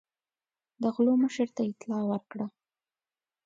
د غلو مشر ته اطلاع ورکړه.